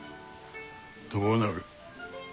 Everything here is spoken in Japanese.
どうなる？